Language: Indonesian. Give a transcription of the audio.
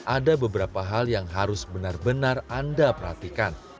ada beberapa hal yang harus benar benar anda perhatikan